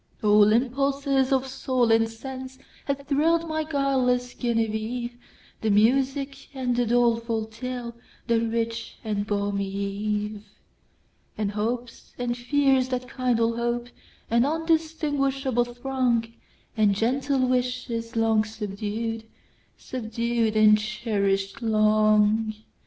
All impulses of soul and senseHad thrill'd my guileless Genevieve; The music and the doleful tale, The rich and balmy eve; And hopes, and fears that kindle hope, An undistinguishable throng, And gentle wishes long subdued, Subdued and cherish'd long!